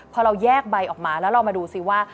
พอเราแยกใบออกมาแล้วเรามาดูสิว่า